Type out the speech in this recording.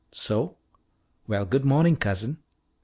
"So? Well, good morning, cousin."